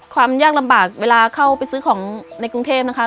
ความยากลำบากเวลาเข้าไปซื้อของในกรุงเทพนะคะ